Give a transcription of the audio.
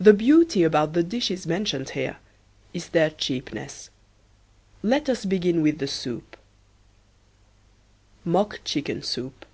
The beauty about the dishes mentioned here is their cheapness. Let us begin with the soup: MOCK CHICKEN SOUP.